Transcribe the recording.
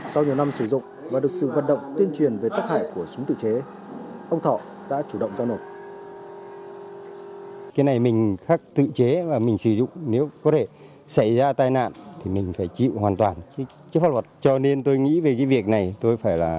sau nhiều năm sử dụng và được sự vận động tuyên truyền về tất hại của súng tự chế ông thọ đã chủ động giao nộp